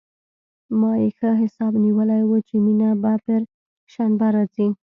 ما يې ښه حساب نيولى و چې مينه به پر شنبه راځي.